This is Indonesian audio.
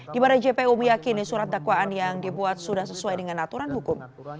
di mana jpu meyakini surat dakwaan yang dibuat sudah sesuai dengan aturan hukum